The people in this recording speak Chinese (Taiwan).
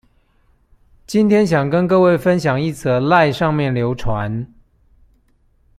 今天想跟各位分享一則賴上面流傳